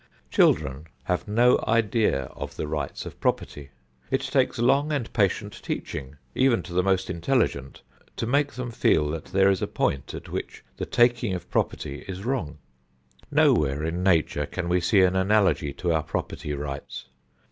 Children have no idea of the rights of property. It takes long and patient teaching, even to the most intelligent, to make them feel that there is a point at which the taking of property is wrong. Nowhere in Nature can we see an analogy to our property rights.